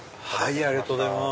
ありがとうございます。